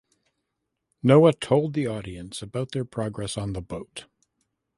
Noah told the audience about their progress on the boat.